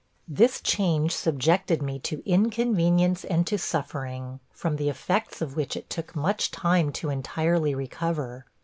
This change subjected me to inconvenience and to suffering, from the effects of which it took much time to entirely recover.